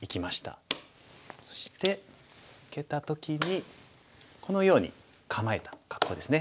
そして受けた時にこのように構えた格好ですね。